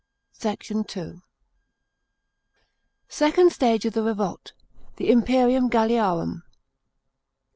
SECT. II. — SECOND STAGE OF THE REVOLT. THE IMPEMUM GALLIARUM.